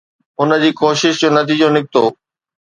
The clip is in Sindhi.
هن جي ڪوششن جو نتيجو نڪتو.